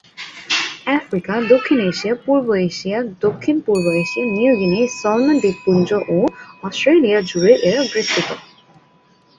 Africa, দক্ষিণ Asia, পূর্ব Asia, দক্ষিণ-পূর্ব এশিয়া, নিউগিনি, সলোমন দ্বীপপুঞ্জ ও অস্ট্রেলিয়া জুড়ে এরা বিস্তৃত।